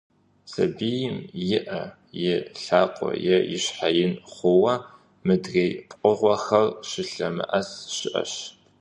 Сабийм и Ӏэ, и лъакъуэ е и щхьэ ин хъууэ, мыдрей пкъыгъуэхэм щылъэмыӀэс щыӀэщ.